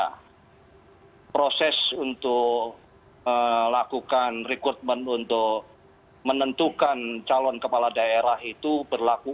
karena proses untuk melakukan rekrutmen untuk menentukan calon kepala daerah itu berlaku